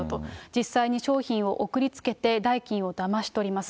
実際に商品を送り付けて代金をだまし取ります。